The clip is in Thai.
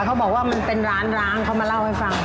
เขาบอกว่ามันเป็นร้านร้างเขามาเล่าให้ฟัง